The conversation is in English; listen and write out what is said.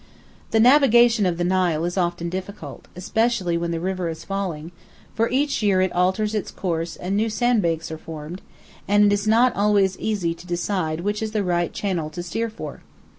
The navigation of the Nile is often difficult, especially when the river is falling, for each year it alters its course and new sand banks are formed, and it is not always easy to decide which is the right channel to steer for.